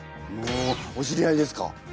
おおお知り合いですか？